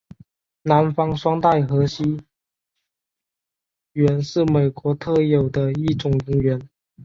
南方双带河溪螈是美国特有的一种蝾螈。